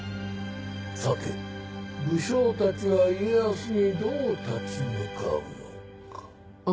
さて武将たちは家康にどう立ち向かうのか。